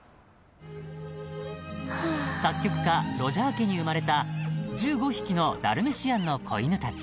［作曲家ロジャー家に生まれた１５匹のダルメシアンの子犬たち］